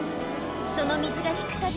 その水が引くたび